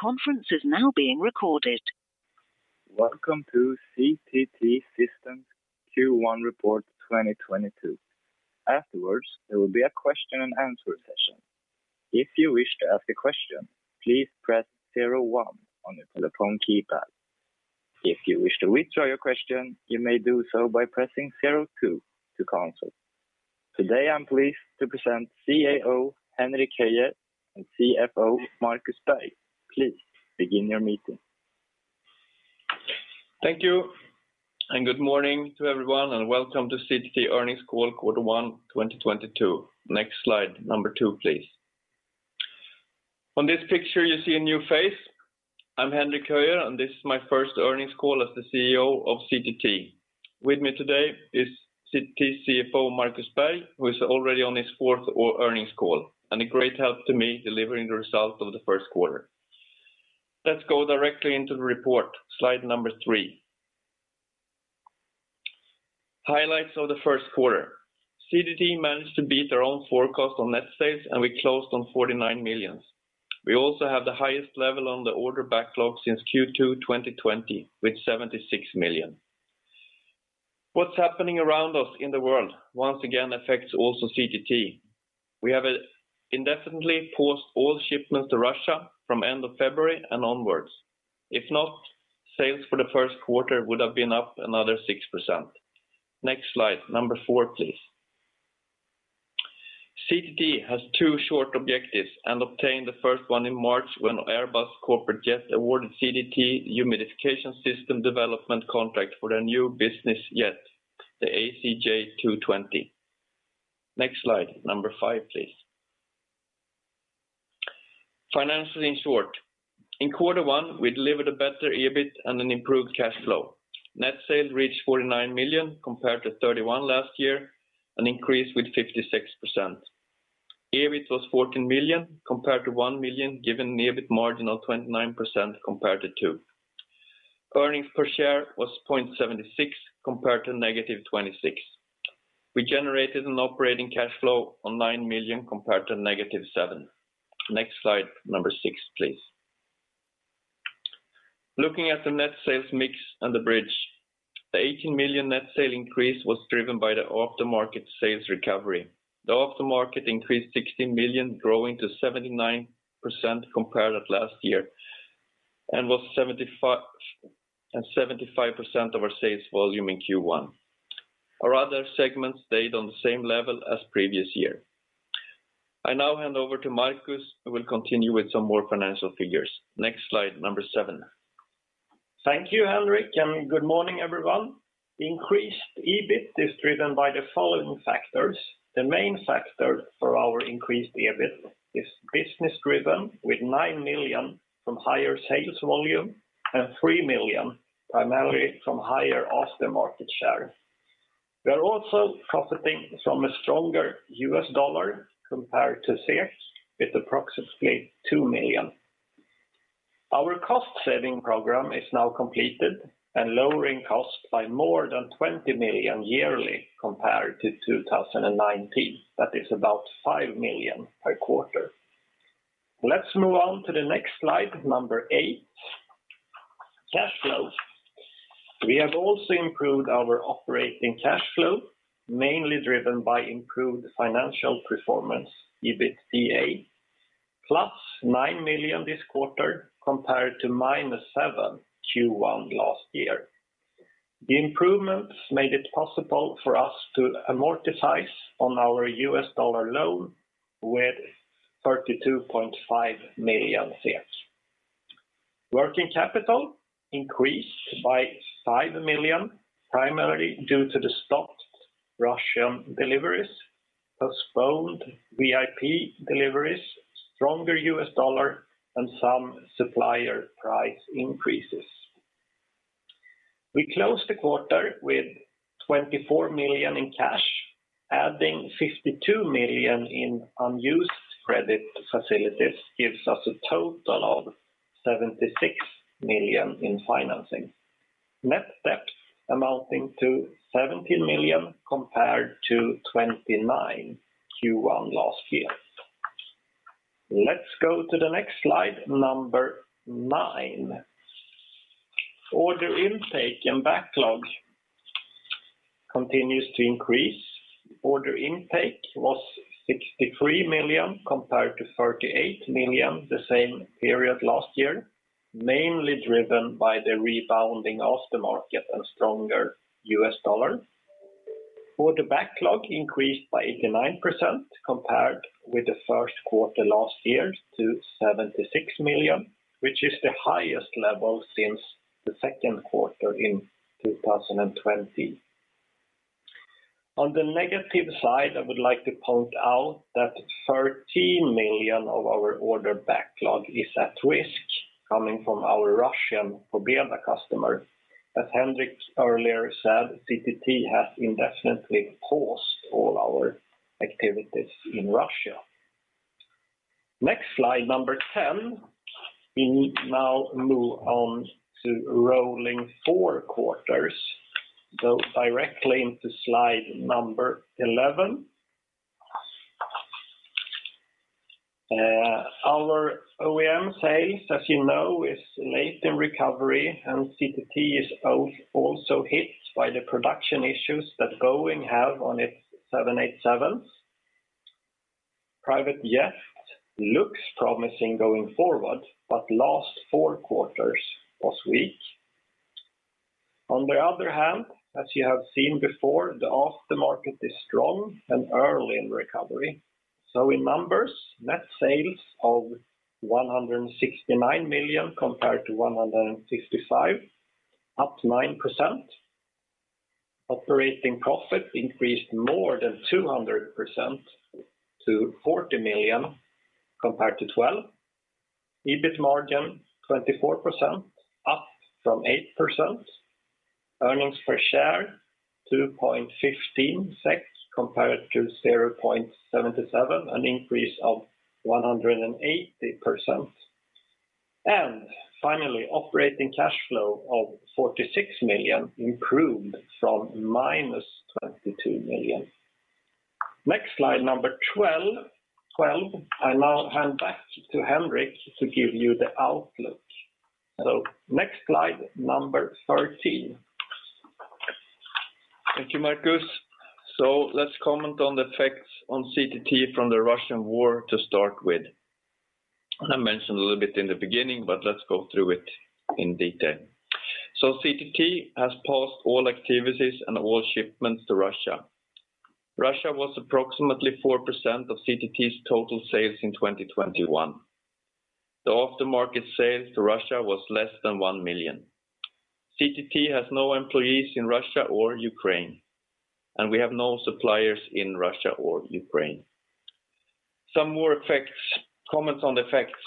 Welcome to CTT Systems Q1 Report 2022. Afterwards, there will be a question and answer session. If you wish to ask a question, please press zero one on your telephone keypad. If you wish to withdraw your question, you may do so by pressing zero two to cancel. Today, I'm pleased to present CEO Henrik Höjer and CFO Markus Berg. Please begin your meeting. Thank you, and good morning to everyone, and welcome to CTT earnings call Q1, 2022. Next slide, number two, please. On this picture, you see a new face. I'm Henrik Höjer, and this is my first earnings call as the CEO of CTT. With me today is CTT CFO, Markus Berg, who is already on his fourth earnings call and a great help to me delivering the results of the first quarter. Let's go directly into the report. Slide number three. Highlights of the first quarter. CTT managed to beat their own forecast on net sales, and we closed on 49 million. We also have the highest level on the order backlog since Q2 2020 with 76 million. What's happening around us in the world once again affects also CTT. We have indefinitely paused all shipments to Russia from end of February and onwards. If not, sales for the first quarter would have been up another 6%. Next slide, number four, please. CTT has two short objectives and obtained the first one in March when Airbus Corporate Jets awarded CTT humidification system development contract for their new business jet, the ACJ TwoTwenty. Next slide, number five, please. Finances in short. In Q1, we delivered a better EBIT and an improved cash flow. Net sales reached 49 million compared to 31 million last year, an increase with 56%. EBIT was 14 million compared to 1 million, giving an EBIT margin of 29% compared to 2%. Earnings per share was 0.76 compared to -0.26. We generated an operating cash flow of 9 million compared to -7 million. Next slide, number six, please. Looking at the net sales mix and the bridge, the 18 million net sales increase was driven by the aftermarket sales recovery. The aftermarket increased 16 million, growing to 79% compared to last year, and was 75% of our sales volume in Q1. Our other segments stayed on the same level as previous year. I now hand over to Markus, who will continue with some more financial figures. Next slide, number seven. Thank you, Henrik Höjer, and good morning, everyone. Increased EBIT is driven by the following factors. The main factor for our increased EBIT is business-driven, with 9 million from higher sales volume and 3 million primarily from higher after-market share. We are also profiting from a stronger US dollar compared to SEK with approximately 2 million. Our cost-saving program is now completed and lowering cost by more than 20 million yearly compared to 2019. That is about 5 million per quarter. Let's move on to the next slide, number eight. Cash flow. We have also improved our operating cash flow, mainly driven by improved financial performance, EBITDA, +9 million this quarter compared to -7 million Q1 last year. The improvements made it possible for us to amortize on our US dollar loan with 32.5 million. Working capital increased by 5 million, primarily due to the stopped Russian deliveries, postponed VIP deliveries, stronger US dollar, and some supplier price increases. We closed the quarter with 24 million in cash. Adding 52 million in unused credit facilities gives us a total of 76 million in financing. Net debt amounting to 17 million compared to 29 in Q1 last year. Let's go to the next slide, number nine. Order intake and backlog continues to increase. Order intake was 63 million compared to 38 million the same period last year, mainly driven by the rebounding of the market and stronger US dollar. Order backlog increased by 89% compared with the first quarter last year to 76 million, which is the highest level since the second quarter in 2020. On the negative side, I would like to point out that 30 million of our order backlog is at risk coming from our Russian Pobeda customer. As Henrik earlier said, CTT has indefinitely paused all our activities in Russia. Next slide, number 10. We now move on to rolling four quarters. Directly into slide number 11. Our OEM sales, as you know, is late in recovery, and CTT is also hit by the production issues that Boeing have on its 787s. Private jet looks promising going forward, but last four quarters was weak. On the other hand, as you have seen before, the after market is strong and early in recovery. In numbers, net sales of 169 million compared to 165 million, up 9%. Operating profit increased more than 200% to 40 million compared to 12 million. EBIT margin 24%, up from 8%. Earnings per share 2.15 SEK compared to 0.77, an increase of 180%. Finally, operating cash flow of 46 million improved from -22 million. Next slide, number 12. I now hand back to Henrik to give you the outlook. Next slide, number 13. Thank you, Markus. Let's comment on the effects on CTT from the Russian war to start with. I mentioned a little bit in the beginning, but let's go through it in detail. CTT has paused all activities and all shipments to Russia. Russia was approximately 4% of CTT's total sales in 2021. The aftermarket sales to Russia was less than 1 million. CTT has no employees in Russia or Ukraine, and we have no suppliers in Russia or Ukraine. Some more effects. Comments on the effects.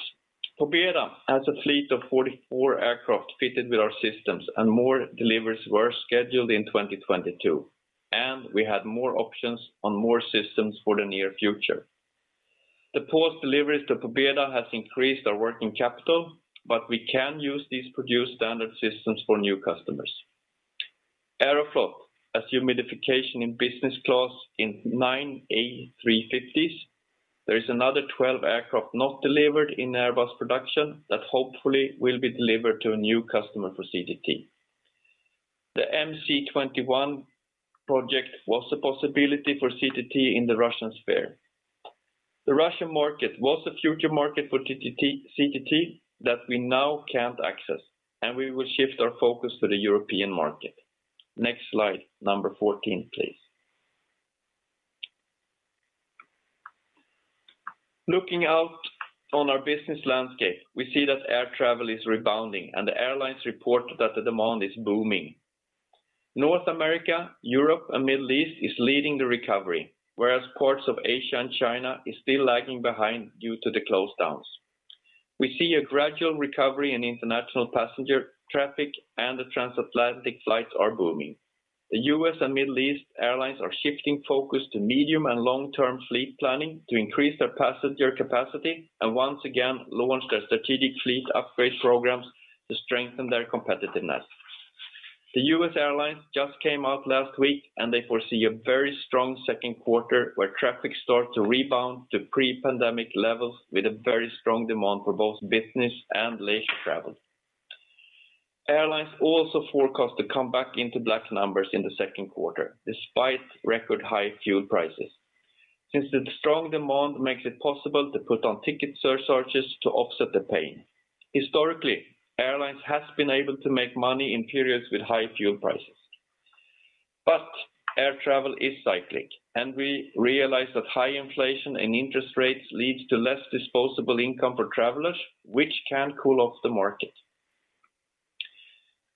Pobeda has a fleet of 44 aircraft fitted with our systems, and more deliveries were scheduled in 2022, and we had more options on more systems for the near future. The paused deliveries to Pobeda has increased our working capital, but we can use these produced standard systems for new customers. Aeroflot has humidification in business class in 9 A350s. There is another 12 aircraft not delivered in Airbus production that hopefully will be delivered to a new customer for CTT. The MC21 project was a possibility for CTT in the Russian sphere. The Russian market was a future market for CTT that we now can't access, and we will shift our focus to the European market. Next slide, number 14, please. Looking out on our business landscape, we see that air travel is rebounding and the airlines report that the demand is booming. North America, Europe, and Middle East is leading the recovery, whereas parts of Asia and China is still lagging behind due to the lockdowns. We see a gradual recovery in international passenger traffic and the transatlantic flights are booming. The U.S. and Middle East airlines are shifting focus to medium and long-term fleet planning to increase their passenger capacity and once again launch their strategic fleet upgrade programs to strengthen their competitiveness. The U.S. airlines just came out last week, and they foresee a very strong second quarter where traffic starts to rebound to pre-pandemic levels with a very strong demand for both business and leisure travel. Airlines also forecast to come back into black numbers in the second quarter, despite record high fuel prices. Since the strong demand makes it possible to put on ticket surcharges to offset the pain. Historically, airlines has been able to make money in periods with high fuel prices. Air travel is cyclic, and we realize that high inflation and interest rates leads to less disposable income for travelers, which can cool off the market.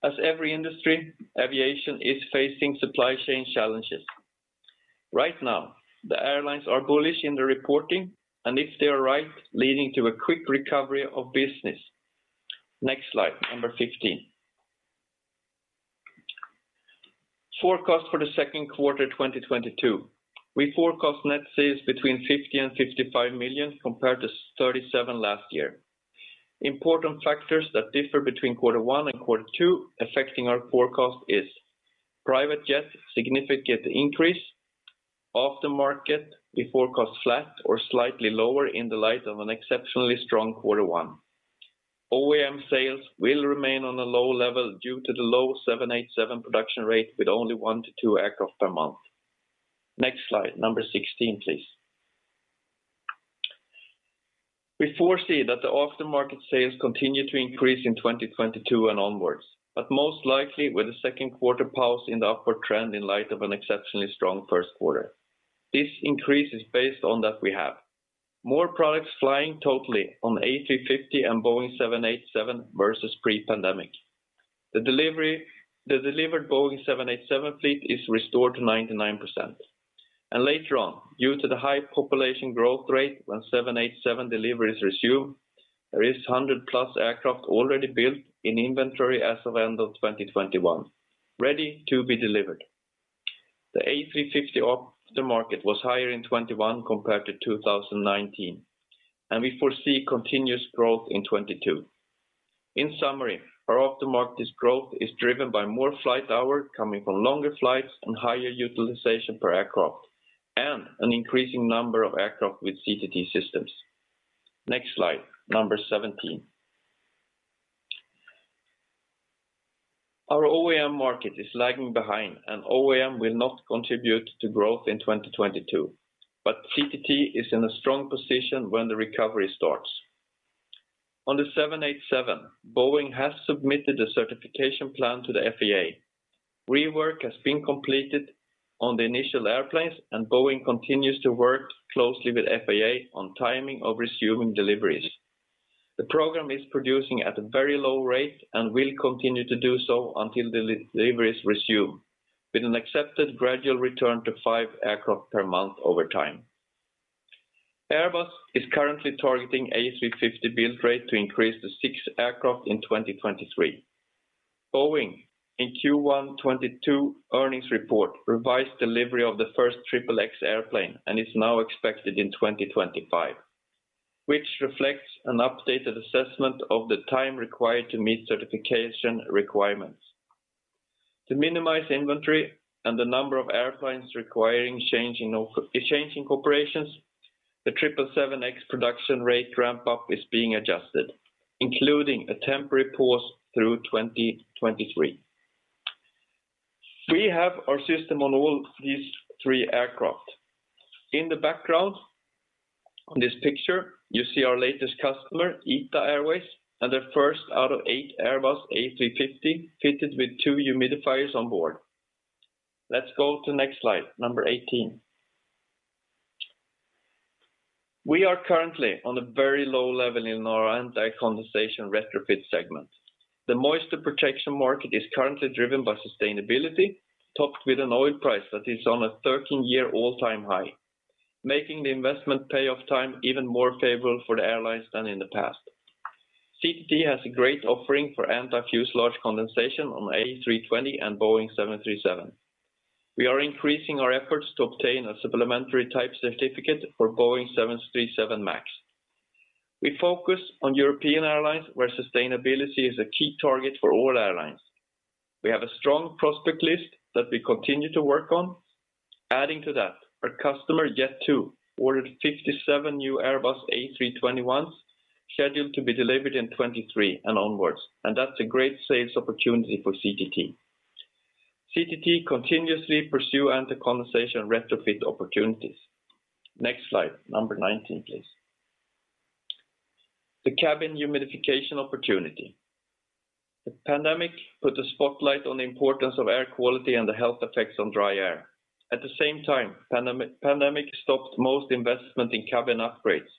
As every industry, aviation is facing supply chain challenges. Right now, the airlines are bullish in the reporting, and if they are right, leading to a quick recovery of business. Next slide, 15. Forecast for the second quarter 2022. We forecast net sales between 50 million and 55 million compared to 37 million last year. Important factors that differ between Q1 and Q2 affecting our forecast is private jet, significant increase. Aftermarket, we forecast flat or slightly lower in the light of an exceptionally strong Q1. OEM sales will remain on a low level due to the low 787 production rate with only 1-2 aircraft per month. Next slide, 16, please. We foresee that the aftermarket sales continue to increase in 2022 and onward, but most likely with a second quarter pause in the upward trend in light of an exceptionally strong first quarter. This increase is based on that we have more products flying today on A350 and Boeing 787 versus pre-pandemic. The delivered Boeing 787 fleet is restored to 99%. Later on, due to the high population growth rate when 787 delivery is resumed, there is 100+ aircraft already built in inventory as of end of 2021 ready to be delivered. The A350 aftermarket was higher in 2021 compared to 2019, and we foresee continuous growth in 2022. In summary, our aftermarket's growth is driven by more flight hours coming from longer flights and higher utilization per aircraft, and an increasing number of aircraft with CTT Systems. Next slide, number 17. Our OEM market is lagging behind, and OEM will not contribute to growth in 2022. CTT is in a strong position when the recovery starts. On the 787, Boeing has submitted a certification plan to the FAA. Rework has been completed on the initial airplanes, and Boeing continues to work closely with FAA on timing of resuming deliveries. The program is producing at a very low rate and will continue to do so until the deliveries resume, with an accepted gradual return to five aircraft per month over time. Airbus is currently targeting A350 build rate to increase to six aircraft in 2023. Boeing, in Q1 2022 earnings report, revised delivery of the first 777X airplane and is now expected in 2025, which reflects an updated assessment of the time required to meet certification requirements. To minimize inventory and the number of airplanes requiring changing configurations, the 777X production rate ramp up is being adjusted, including a temporary pause through 2023. We have our system on all these three aircraft. In the background on this picture, you see our latest customer, ITA Airways, and their first out of 8 Airbus A350 fitted with two humidifiers on board. Let's go to next slide, number 18. We are currently on a very low level in our anti-condensation retrofit segment. The moisture protection market is currently driven by sustainability, topped with an oil price that is on a 13-year all-time high, making the investment pay off time even more favorable for the airlines than in the past. CTT has a great offering for anti-fuselage condensation on A320 and Boeing 737. We are increasing our efforts to obtain a Supplemental Type Certificate for Boeing 737 MAX. We focus on European airlines where sustainability is a key target for all airlines. We have a strong prospect list that we continue to work on. Adding to that, our customer, Jet2, ordered 57 new Airbus A321s scheduled to be delivered in 2023 and onwards, and that's a great sales opportunity for CTT. CTT continuously pursue anti-condensation retrofit opportunities. Next slide, number 19, please. The cabin humidification opportunity. The pandemic put a spotlight on the importance of air quality and the health effects on dry air. At the same time, pandemic stopped most investment in cabin upgrades.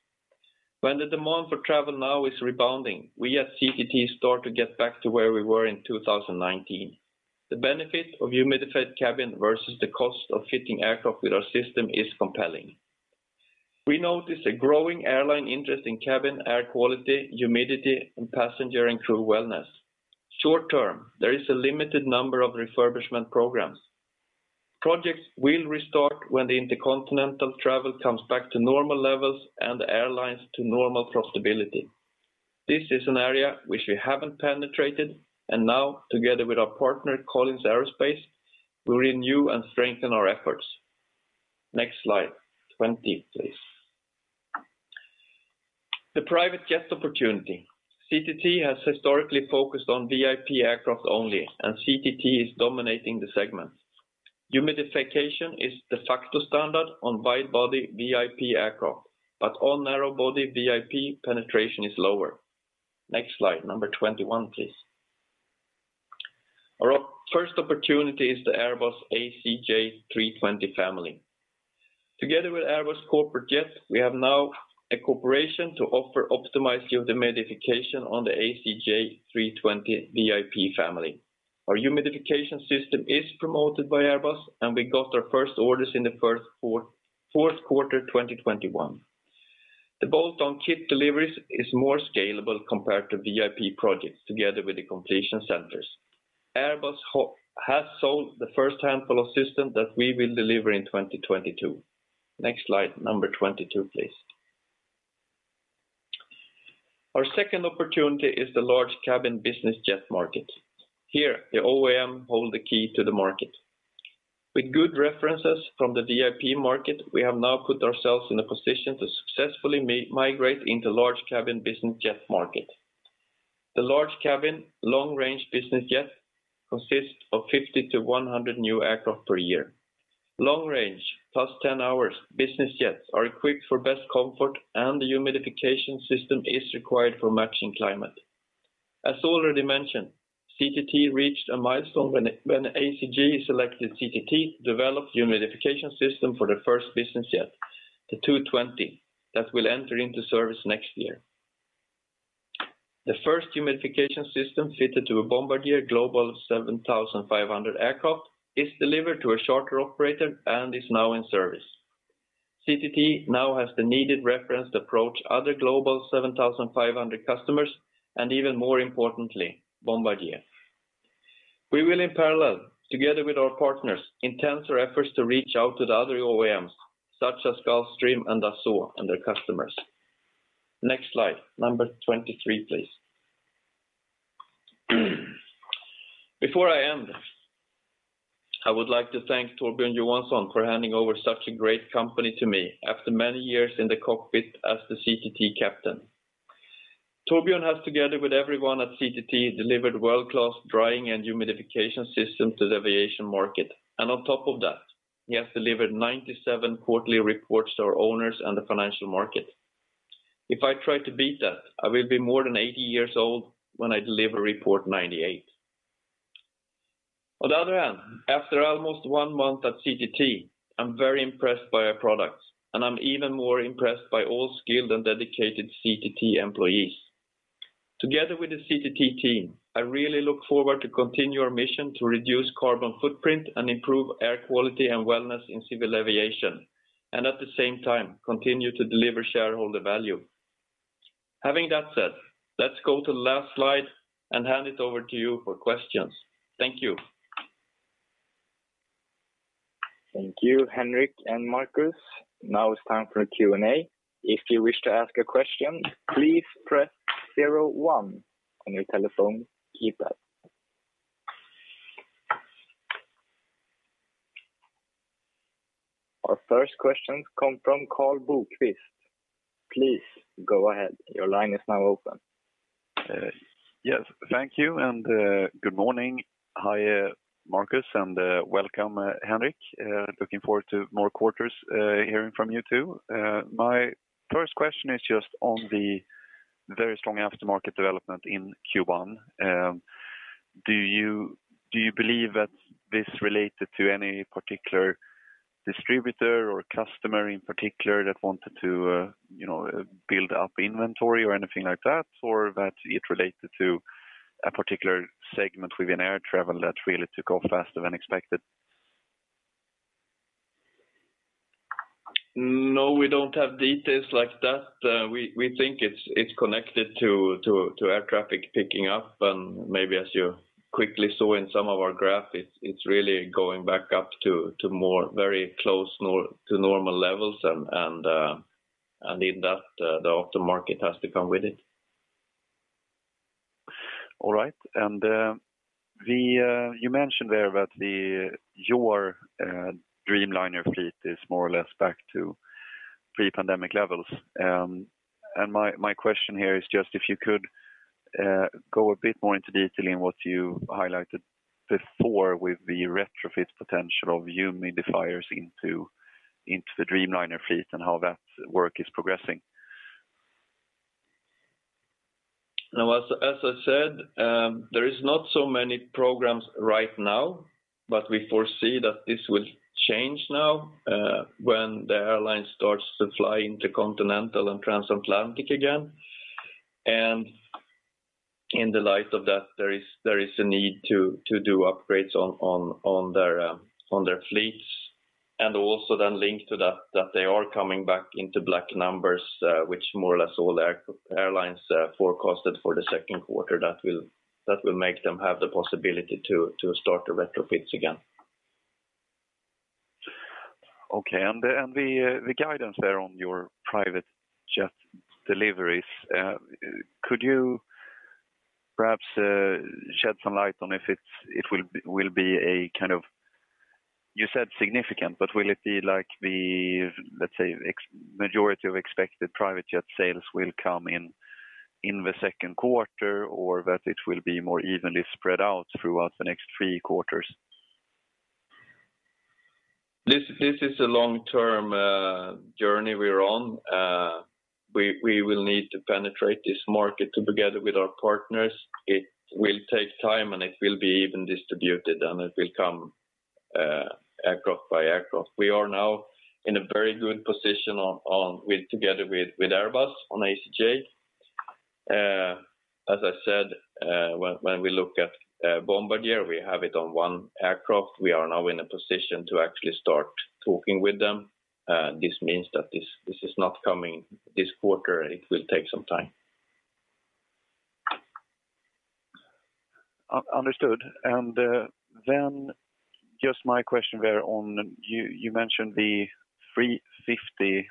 When the demand for travel now is rebounding, we at CTT start to get back to where we were in 2019. The benefit of humidified cabin versus the cost of fitting aircraft with our system is compelling. We notice a growing airline interest in cabin air quality, humidity, and passenger and crew wellness. Short term, there is a limited number of refurbishment programs. Projects will restart when the intercontinental travel comes back to normal levels and the airlines to normal profitability. This is an area which we haven't penetrated, and now, together with our partner, Collins Aerospace, we renew and strengthen our efforts. Next slide, 20, please. The private jet opportunity. CTT has historically focused on VIP aircraft only, and CTT is dominating the segment. Humidification is de facto standard on wide-body VIP aircraft, but on narrow-body VIP, penetration is lower. Next slide, number 21, please. Our first opportunity is the Airbus ACJ320 family. Together with Airbus Corporate Jets, we have now a cooperation to offer optimized humidification on the ACJ320 VIP family. Our humidification system is promoted by Airbus, and we got our first orders in the first fourth quarter 2021. The bolt-on kit deliveries is more scalable compared to VIP projects together with the completion centers. Airbus has sold the first handful of system that we will deliver in 2022. Next slide, number 22, please. Our second opportunity is the large cabin business jet market. Here, the OEM hold the key to the market. With good references from the VIP market, we have now put ourselves in a position to successfully migrate into large-cabin business jet market. The large-cabin long-range business jet consists of 50-100 new aircraft per year. Long-range +10-hour business jets are equipped for best comfort, and the humidification system is required for matching climate. As already mentioned, CTT reached a milestone when ACJ selected CTT to develop humidification system for the first business jet, the TwoTwenty, that will enter into service next year. The first humidification system fitted to a Bombardier Global 7500 aircraft is delivered to a charter operator and is now in service. CTT now has the needed reference to approach other Global 7500 customers, and even more importantly, Bombardier. We will in parallel, together with our partners, intense our efforts to reach out to the other OEMs, such as Gulfstream and Dassault and their customers. Next slide, number 23, please. Before I end, I would like to thank Torbjörn Johansson for handing over such a great company to me after many years in the cockpit as the CTT captain. Torbjörn has, together with everyone at CTT, delivered world-class drying and humidification system to the aviation market. On top of that, he has delivered 97 quarterly reports to our owners and the financial market. If I try to beat that, I will be more than 80 years old when I deliver report 98. On the other hand, after almost one month at CTT, I'm very impressed by our products, and I'm even more impressed by all skilled and dedicated CTT employees. Together with the CTT team, I really look forward to continue our mission to reduce carbon footprint and improve air quality and wellness in civil aviation, and at the same time, continue to deliver shareholder value. Having that said, let's go to last slide and hand it over to you for questions. Thank you. Thank you, Henrik and Markus. Now it's time for Q&A. If you wish to ask a question, please press zero one on your telephone keypad. Our first question come from Karl Bokvist. Please go ahead. Your line is now open. Yes. Thank you, and good morning. Hi, Markus, and welcome, Henrik. Looking forward to more quarters hearing from you two. My first question is just on the very strong aftermarket development in Q1. Do you believe that this related to any particular distributor or customer in particular that wanted to, you know, build up inventory or anything like that, or that it related to a particular segment within air travel that really took off faster than expected? No, we don't have details like that. We think it's connected to air traffic picking up. Maybe as you quickly saw in some of our graphs, it's really going back up to more very close to normal levels. In that, the auto market has to come with it. All right. You mentioned there that your Dreamliner fleet is more or less back to pre-pandemic levels. My question here is just if you could go a bit more into detail in what you highlighted before with the retrofit potential of humidifiers into the Dreamliner fleet and how that work is progressing. Now as I said, there is not so many programs right now, but we foresee that this will change now, when the airline starts to fly intercontinental and transatlantic again. In the light of that, there is a need to do upgrades on their fleets. Also then linked to that, they are coming back into black numbers, which more or less all airlines forecasted for the second quarter, that will make them have the possibility to start the retrofits again. Okay. The guidance there on your private jet deliveries, could you perhaps shed some light on if it will be a kind of. You said significant, but will it be like the, let's say, the majority of expected private jet sales will come in the second quarter, or that it will be more evenly spread out throughout the next three quarters? This is a long-term journey we're on. We will need to penetrate this market together with our partners. It will take time, and it will be evenly distributed, and it will come aircraft by aircraft. We are now in a very good position together with Airbus on ACJ. As I said, when we look at Bombardier, we have it on one aircraft. We are now in a position to actually start talking with them. This means that this is not coming this quarter, and it will take some time. Understood. Then just my question there on you. You mentioned the A350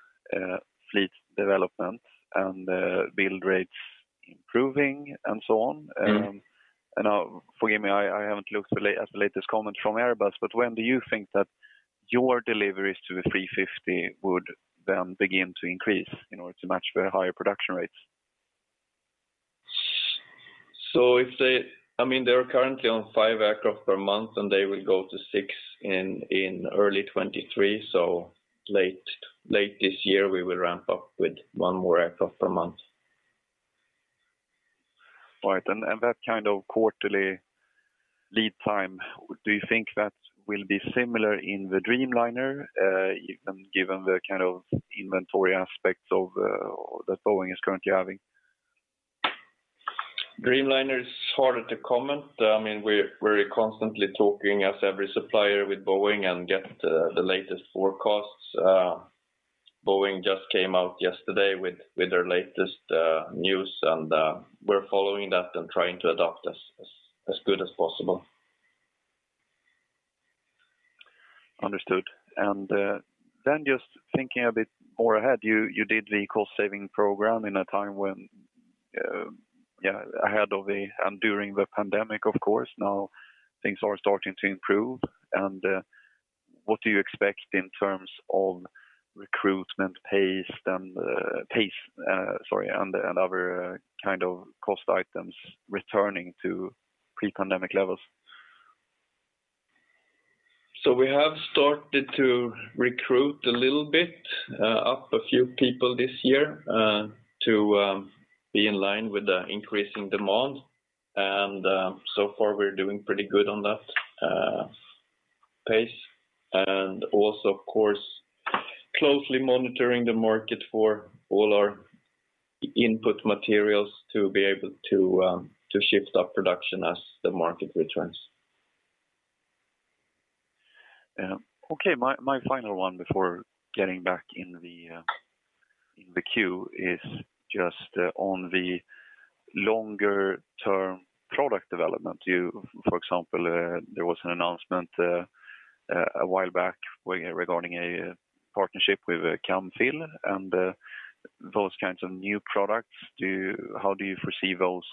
fleet development and build rates improving and so on. Mm-hmm. Now forgive me, I haven't looked at the latest comment from Airbus, but when do you think that your deliveries to the 350 would then begin to increase in order to match the higher production rates? They're currently on five aircraft per month, and they will go to five in early 2023. Late this year, we will ramp up with one more aircraft per month. All right. That kind of quarterly lead time, do you think that will be similar in the Dreamliner, even given the kind of inventory aspects of that Boeing is currently having? Dreamliner is harder to comment. I mean, we're constantly talking as every supplier with Boeing and get the latest forecasts. Boeing just came out yesterday with their latest news and we're following that and trying to adopt as good as possible. Understood. Just thinking a bit more ahead, you did the cost saving program in a time when ahead of the, and during the pandemic, of course. Now things are starting to improve. What do you expect in terms of recruitment pace and, sorry, other kind of cost items returning to pre-pandemic levels? We have started to recruit a little bit up a few people this year to be in line with the increasing demand. So far we're doing pretty good on that pace. Also of course closely monitoring the market for all our input materials to be able to shift our production as the market returns. Yeah. Okay. My final one before getting back in the queue is just on the longer term product development. You, for example, there was an announcement a while back regarding a partnership with Camfil and those kinds of new products. How do you foresee those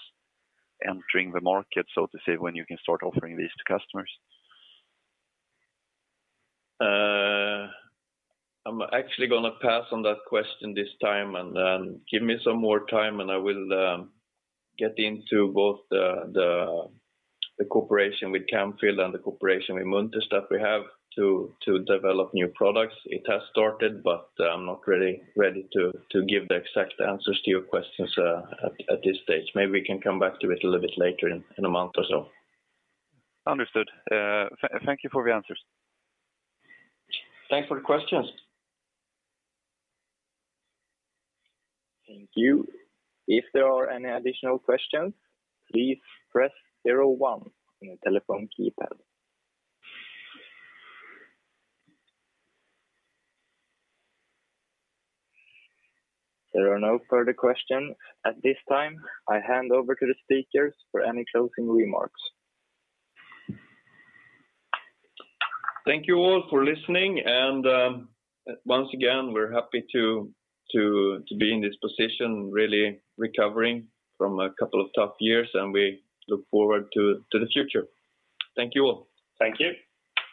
entering the market, so to say, when you can start offering these to customers? I'm actually gonna pass on that question this time, and then give me some more time, and I will get into both the cooperation with Camfil and the cooperation with Munters that we have to develop new products. It has started, but I'm not really ready to give the exact answers to your questions at this stage. Maybe we can come back to it a little bit later in a month or so. Understood. Thank you for the answers. Thanks for the questions. Thank you. If there are any additional questions, please press zero one on your telephone keypad. There are no further questions at this time. I hand over to the speakers for any closing remarks. Thank you all for listening, and once again, we're happy to be in this position, really recovering from a couple of tough years, and we look forward to the future. Thank you all. Thank you.